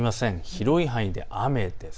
広い範囲で雨です。